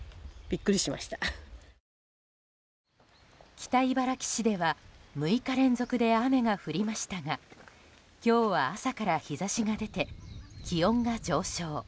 北茨城市では６日連続で雨が降りましたが今日は朝から日差しが出て気温が上昇。